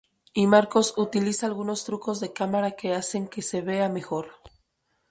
Y Marcos utiliza algunos trucos de cámara que hacen que se vea mejor.